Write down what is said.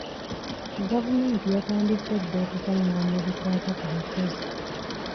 Gavumenti yatandise dda okukungaanya ebikwata ku bakozi.